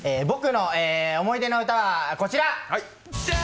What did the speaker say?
僕の思い出の歌はこちら。